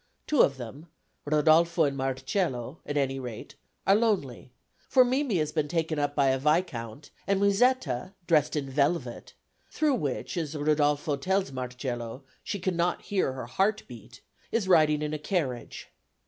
Two of them, Rodolfo and Marcel, at any rate, are lonely, for Mimi has been taken up by a viscount, and Musetta, dressed in velvet through which, as Rudolfo tells Marcel, she cannot hear her heart beat is riding in a carriage.